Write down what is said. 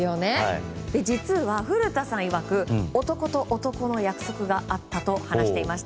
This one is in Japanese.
実は古田さんいわく男と男の約束があったと話していました。